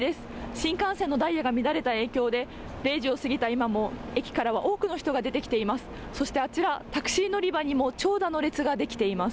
新幹線のダイヤが乱れた影響で、０時を過ぎた今も、駅からは多くの人が出てきています。